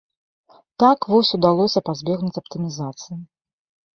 Так вось удалося пазбегнуць аптымізацыі.